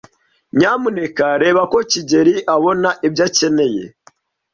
Nyamuneka reba ko kigeli abona ibyo akeneye.